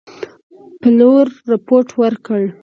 پلور رپوټ ورکړ.